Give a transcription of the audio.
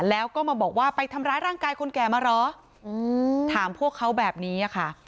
แล้วก็มาบอกว่าไปทำร้ายร่างกายคนแก่มาเหรอถามพวกเขาแบบนี้ค่ะ